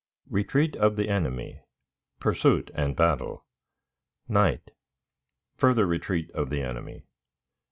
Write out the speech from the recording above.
Retreat of the Enemy. Pursuit and Battle. Night. Further Retreat of the Enemy.